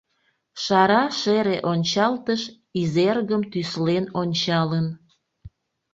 Шара-шере ончалтыш Изергым тӱслен ончалын.